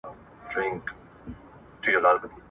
مخروطې حجرې د رنګ پېژندنه تنظیموي.